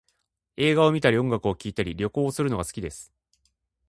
映画を観たり音楽を聴いたり、旅行をするのが好きです